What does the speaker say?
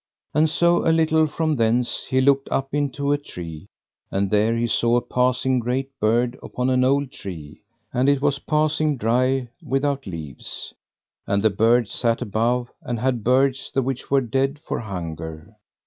And so a little from thence he looked up into a tree, and there he saw a passing great bird upon an old tree, and it was passing dry, without leaves; and the bird sat above, and had birds, the which were dead for hunger.